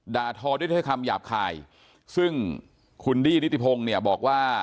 ทอด้วยคำหยาบคายซึ่งคุณดี้นิติพงศ์เนี่ยบอกว่า